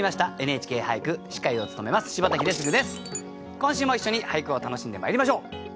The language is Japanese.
今週も一緒に俳句を楽しんでまいりましょう。